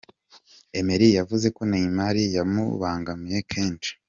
Emery yavuze ko Neymar yamubangamiye kenshi.